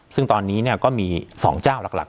ซึ่งตอนนี้ก็มี๒เจ้าหลัก